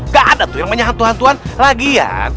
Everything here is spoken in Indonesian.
gak ada tuh yang mainnya hantu hantuan lagi ya